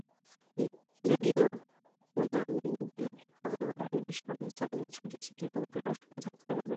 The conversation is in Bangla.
রেডিও মোজাম্বিকের খবরে বলা হয়, বিস্ফোরণস্থলে ছড়িয়ে-ছিটিয়ে দগ্ধ লাশ পড়ে থাকতে দেখা যায়।